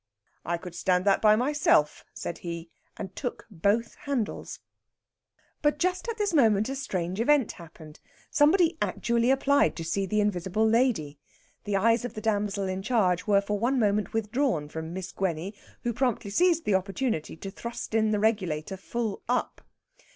"I could stand that by myself," said he, and took both handles. But just at this moment a strange event happened. Somebody actually applied to see the invisible lady. The eyes of the damsel in charge were for one moment withdrawn from Miss Gwenny, who promptly seized the opportunity to thrust in the regulator "full up."